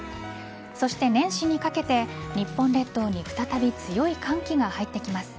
そして年始にかけて日本列島に再び強い寒気が入ってきます。